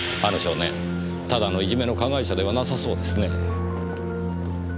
あの少年ただのいじめの加害者ではなさそうですね。